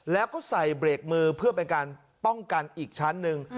แล้วก็ใส่เบรกมือเพื่อเป็นการป้องกันอีกชั้นหนึ่ง